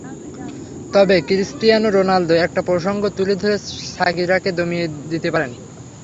তবে Cristiano Ronaldo একটা প্রসঙ্গ তুলে ধরে শাকিরাকে দমিয়ে দিতে পারেন।